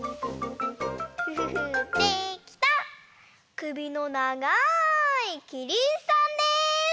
くびのながいキリンさんです！